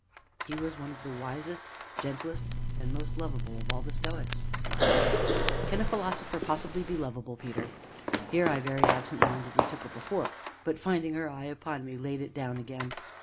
"He was one of the wisest, gentlest, and most lovable of all the Stoics!" said I. "Can a philosopher possibly be lovable, Peter?" Here I very absent mindedly took up a fork, but, finding her eye upon me, laid it down again.